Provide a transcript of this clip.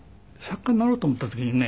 作家になろうと思った時にね